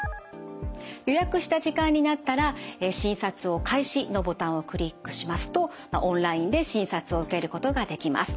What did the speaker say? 予約した時間になったら診察を開始のボタンをクリックしますとオンラインで診察を受けることができます。